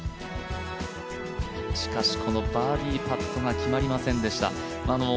しかし、このバーディーパットが決まりませんでした。